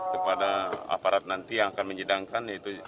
kepada aparat nanti yang akan menyidangkan yaitu